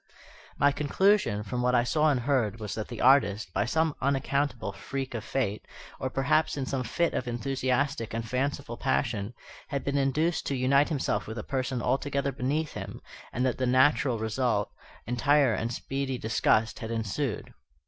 My conclusion, from what I saw and heard, was that the artist, by some unaccountable freak of fate, or perhaps in some fit of enthusiastic and fanciful passion, had been induced to unite himself with a person altogether beneath him, and that the natural result, entire and speedy disgust, had ensued.